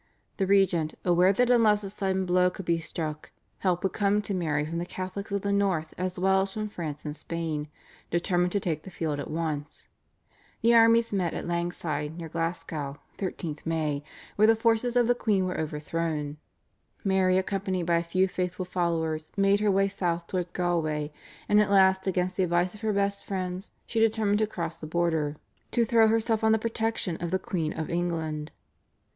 The regent, aware that unless a sudden blow could be struck help would come to Mary from the Catholics of the north as well as from France and Spain, determined to take the field at once. The armies met at Langside, near Glasgow (13th May), where the forces of the queen were overthrown. Mary accompanied by a few faithful followers made her way south towards Galloway, and at last against the advice of her best friends she determined to cross the border to throw herself on the protection of the Queen of England.